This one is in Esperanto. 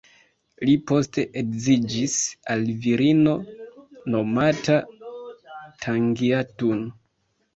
Li poste edziĝis al virino nomata Tangiatun.